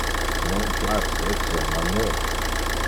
Non place etiam a me.